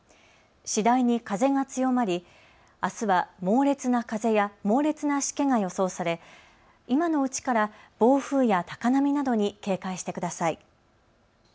次第に風が強まりあすは猛烈な風や猛烈なしけが予想され今のうちから暴風や高波などに警戒してください。